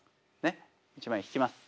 ねっ１枚引きます。